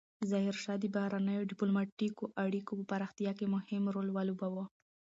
ظاهرشاه د بهرنیو ډیپلوماتیکو اړیکو په پراختیا کې مهم رول ولوباوه.